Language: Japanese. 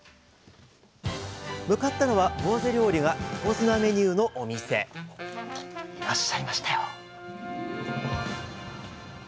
向かったのはぼうぜ料理が横綱メニューのお店いらっしゃいましたよ。